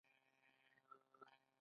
پکورې د بازار له شور سره خوړل کېږي